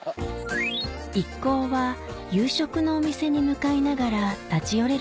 一行は夕食のお店に向かいながら立ち寄れる